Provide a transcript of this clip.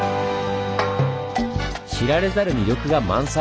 知られざる魅力が満載！